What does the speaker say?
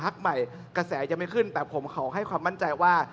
ใหม่กระแสยังไม่ขึ้นแต่ผมขอให้ความมั่นใจว่า